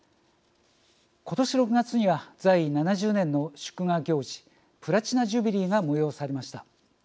今年６月には在位７０年の祝賀行事「プラチナ・ジュビリー」が催されました。